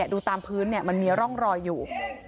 ดูตามพื้นมันมีร่องรอยอยู่